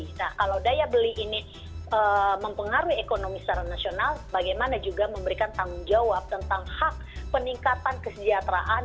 nah kalau daya beli ini mempengaruhi ekonomi secara nasional bagaimana juga memberikan tanggung jawab tentang hak peningkatan kesejahteraan